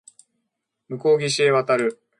向こう岸へ渡る